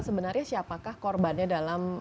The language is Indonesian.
sebenarnya siapakah korbannya dalam